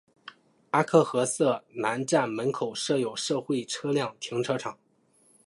阿克和瑟南站门口设有社会车辆停车场。